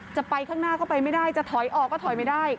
จะไปข้างหน้าก็ไปไม่ได้จะถอยออกก็ถอยไม่ได้